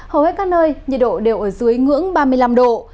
hầu hết các nơi nhiệt độ đều ở dưới ngưỡng ba mươi năm độ